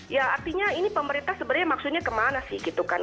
ya artinya ini pemerintah sebenarnya maksudnya kemana sih gitu kan